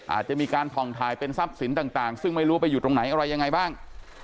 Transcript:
อาจจะมีการผ่องถ่ายเป็นทรัพย์สินต่างซึ่งไม่รู้ไปอยู่ตรงไหนอะไรยังไงบ้าง